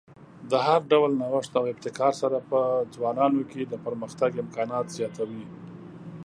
د هر ډول نوښت او ابتکار سره په ځوانانو کې د پرمختګ امکانات زیاتوي.